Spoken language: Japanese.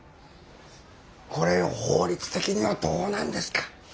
これ法律的にはどうなんですか？